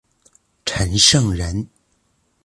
陈胜人。